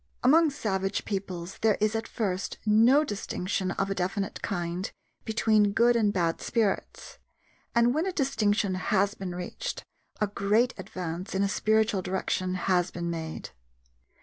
Among savage peoples there is at first no distinction of a definite kind between good and bad spirits, and when a distinction has been reached, a great advance in a spiritual direction has been made.